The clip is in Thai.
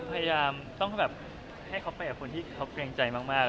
พยายามให้เขาไปกับคนที่เค้าแปลงใจมาก